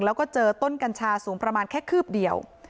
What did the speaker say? แล้วก็เจอต้นกัญชาสูงประมาณแค่คืบเดียว